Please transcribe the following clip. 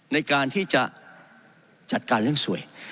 ในการที่จะจัดการเรื่องสวย